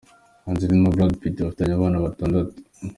Angelina na Brad Pitt bafitanye abana batandatu.